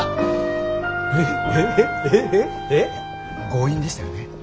強引でしたよね？